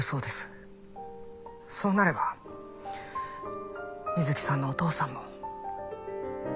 そうなれば水木さんのお父さんも。